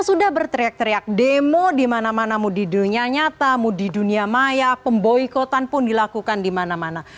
sudah berteriak teriak demo dimana mana mau di dunia nyata mau di dunia maya pemboikotan pun dilakukan di mana mana